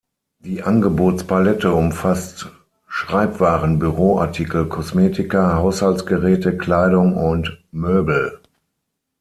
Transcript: Die Angebotspalette umfasst Schreibwaren, Büroartikel, Kosmetika, Haushaltsgeräte, Kleidung und Möbel.